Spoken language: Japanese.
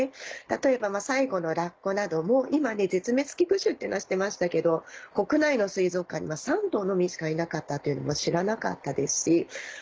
例えば最後のラッコなども今絶滅危惧種っていうのは知ってましたけど国内の水族館には３頭のみしかいなかったというのも知らなかったですし